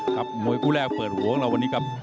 มวยคู่แรกเปิดหัวของเราวันนี้ครับ